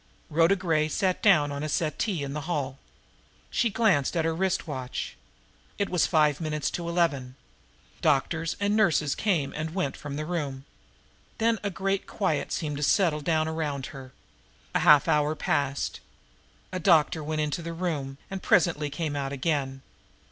Rhoda Gray sat down on a settee in the hall. She glanced at her wrist watch. It was five minutes of eleven. Doctors and nurses came and went from the room. Then a great quiet seemed to settle down around her. A half hour passed. A doctor went into the room, and presently came out again.